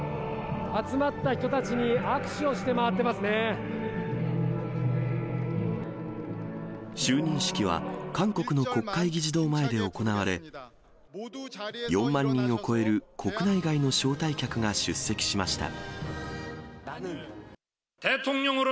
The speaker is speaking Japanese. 集まった人たちに握手をして回っ就任式は、韓国の国会議事堂前で行われ、４万人を超える国内外の招待客が出席しました。